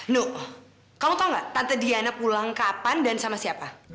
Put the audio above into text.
nuh kamu tau gak tante diana pulang kapan dan sama siapa